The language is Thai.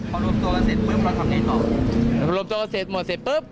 พอรวมตัวก็เสร็จเมื่อพอเราทำเน้นบอกพอรวมตัวเสร็จหมดเสร็จปุ๊บ